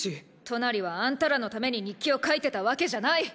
トナリはあんたらのために日記を書いてたわけじゃない！